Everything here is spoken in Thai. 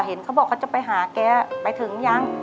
เห็นเขาบอกเขาจะไปหาแกไปถึงยัง